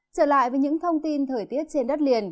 trở lại với những thông tin thời tiết trên đất liền